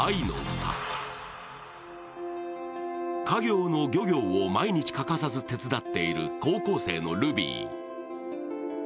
家業の漁業を毎日欠かさず手伝っている高校生のルビー。